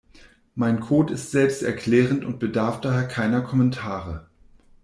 Mein Code ist selbsterklärend und bedarf daher keiner Kommentare.